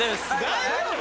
大丈夫？